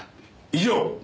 以上！